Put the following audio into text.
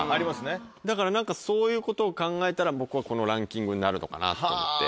だからそういうことを考えたら僕はこのランキングになるのかなと思って。